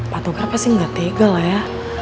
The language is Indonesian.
pak togar pasti gak tega lah ya